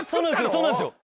そうなんですよ